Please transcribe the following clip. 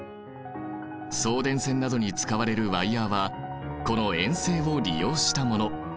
送電線などに使われるワイヤーはこの延性を利用したもの。